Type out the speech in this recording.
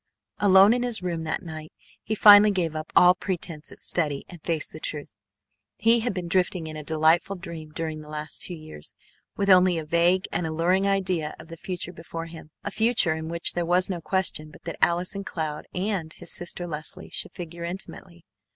Alone in his room that night he finally gave up all pretence at study and faced the truth. He had been drifting in a delightful dream during the last two years, with only a vague and alluring idea of the future before him, a future in which there was no question but that Allison Cloud AND his sister Leslie should figure intimately.